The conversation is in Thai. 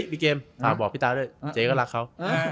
มีเกมขอบพี่กลาด้วยเจ๊ก็รักเขา